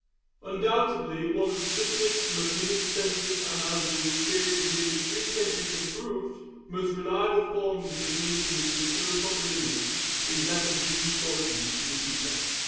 Undoubtedly one of the simplest, most inexpensive and, as the experience of nearly three centuries has proved, most reliable forms of divination within its own proper limits, is that of reading fortunes in tea cups.